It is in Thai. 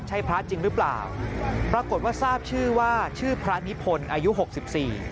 ใช่พระจริงหรือเปล่าปรากฏว่าทราบชื่อว่าชื่อพระนิพนธ์อายุหกสิบสี่